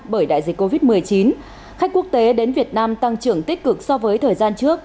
bởi đại dịch covid một mươi chín khách quốc tế đến việt nam tăng trưởng tích cực so với thời gian trước